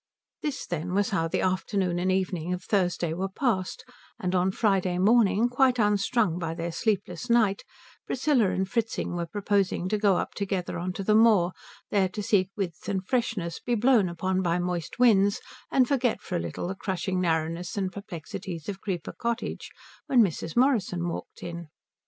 This, then, was how the afternoon and evening of Thursday were passed; and on Friday morning, quite unstrung by their sleepless night, Priscilla and Fritzing were proposing to go up together on to the moor, there to seek width and freshness, be blown upon by moist winds, and forget for a little the crushing narrowness and perplexities of Creeper Cottage, when Mrs. Morrison walked in.